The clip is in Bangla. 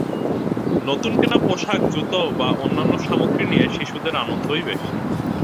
নতুন কেনা পোশাক জুতা বা অন্যান্য সামগ্রী নিয়ে শিশুদের আনন্দই বেশি।